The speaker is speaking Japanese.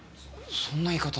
そんな言い方